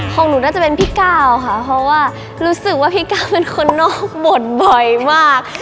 ของหนูน่าจะเป็นพี่ก้าวค่ะเพราะว่ารู้สึกว่าพี่ก้าวเป็นคนนอกบทบ่อยมาก